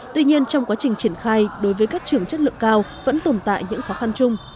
tuy nhiên trong quá trình triển khai đối với các trường chất lượng cao vẫn tồn tại những khó khăn chung